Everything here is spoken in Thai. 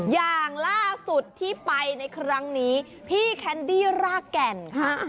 อย่างล่าสุดที่ไปในครั้งนี้พี่แคนดี้รากแก่นค่ะ